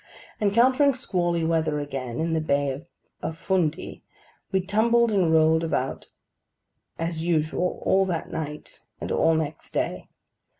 Encountering squally weather again in the Bay of Fundy, we tumbled and rolled about as usual all that night and all next day.